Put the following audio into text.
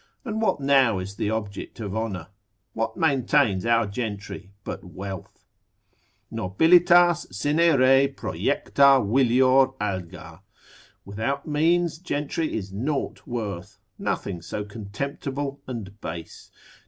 And what now is the object of honour? What maintains our gentry but wealth? Nobilitas sine re projecta vilior alga. Without means gentry is naught worth, nothing so contemptible and base.